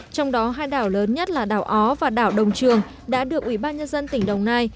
trong đó hai đảo lớn nhất là đảo ó và đảo đồng trường đã được ủy ban nhân dân tỉnh đồng nai